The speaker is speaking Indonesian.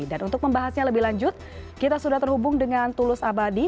dan untuk membahasnya lebih lanjut kita sudah terhubung dengan tulus abadi